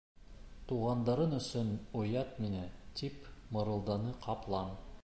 — Туғандарың өсөн оят миңә, — тип мырылданы ҡаплан.